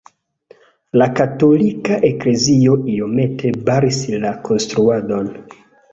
La katolika eklezio iomete baris la konstruadon.